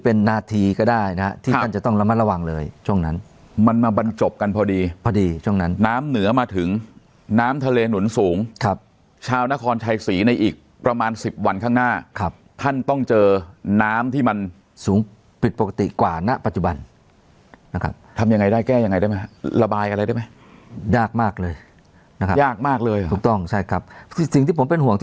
เป็นนาทีก็ได้นะที่ท่านจะต้องระมัดระวังเลยช่วงนั้นมันมาบรรจบกันพอดีพอดีช่วงนั้นน้ำเหนือมาถึงน้ำทะเลหนุนสูงครับชาวนครชัยศรีในอีกประมาณสิบวันข้างหน้าครับท่านต้องเจอน้ำที่มันสูงผิดปกติกว่าณปัจจุบันนะครับทำยังไงได้แก้ยังไงได้ไหมฮะระบายอะไรได้ไหมยากมากเลยนะครับยากมากเลยถูกต้องใช่ครับสิ่งที่ผมเป็นห่วง